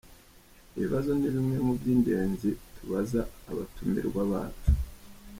Ibi bibazo ni bimwe mu by’ingenzi tubaza abatumirwa bacu.